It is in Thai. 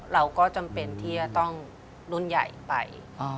เราก็จำเป็นที่จะต้องรุ่นใหญ่ไป